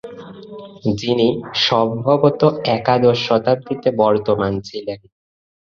যিনি সম্ভবত একাদশ শতাব্দীতে বর্তমান ছিলেন।